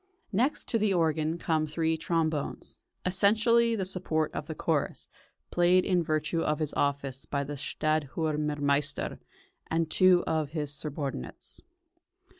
Next to the organ come three trombones, essentially the support of the chorus, played in virtue of his office by the "stadtthürmermeister" and two of his subordinates.